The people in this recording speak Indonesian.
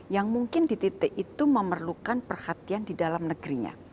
yang mungkin di titik itu memerlukan perhatian di dalam negerinya